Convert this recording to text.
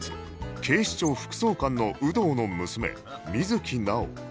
警視庁副総監の有働の娘水木直央